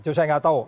coba saya gak tau